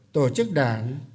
tổ chức đảng